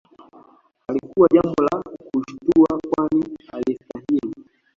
Halikuwa jambo la kushtua kwani alistahili